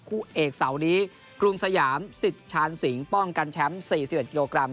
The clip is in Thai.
คู่เอกเสาร์นี้กรุงสยามสิทธิ์ชาญสิงห์ป้องกันแชมป์๔๑กิโลกรัม